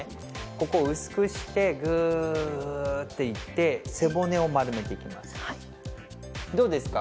ここを薄くしてグッていって背骨を丸めていきますどうですか？